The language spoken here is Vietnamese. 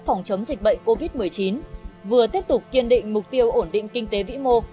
phòng chống dịch bệnh covid một mươi chín vừa tiếp tục kiên định mục tiêu ổn định kinh tế vĩ mô